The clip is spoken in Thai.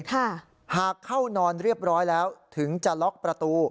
หากเข้านอนเรียบร้อยแล้วถึงจะล็อกประตู